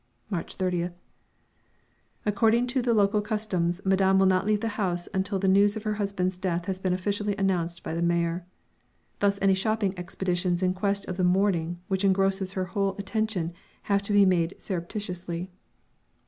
March 30th. According to the local customs, Madame will not leave the house until the news of her husband's death has been officially announced by the Mayor. Thus any shopping expeditions in quest of the mourning which engrosses her whole attention have to be made surreptitiously.